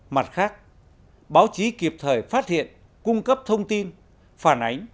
mặt khác báo chí kịp thời phát hiện cung cấp thông tin phản ánh